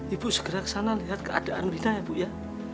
ibu segera kesana lihat keadaan wina ya bu ya